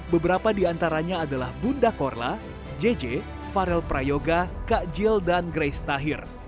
beberapa di antaranya adalah bunda korla jj farel prayoga kak jil dan grace tahir